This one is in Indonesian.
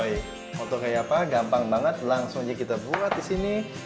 hai untuk kayak apa gampang banget langsung kita buat di sini